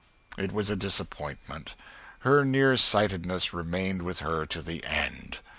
It was a disappointment; her near sightedness remained with her to the end.